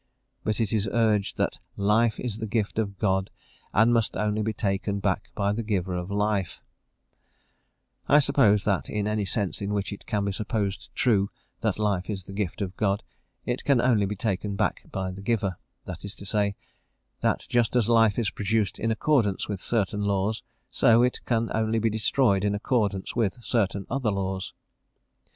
But it is urged that life is the gift of God, and must only be taken back by the Giver of life, I suppose that in any sense in which it can be supposed true that life is the gift of God, it can only be taken back by the giver that is to say, that just as life is produced in accordance with certain laws, so it can only be destroyed in accordance with certain other laws.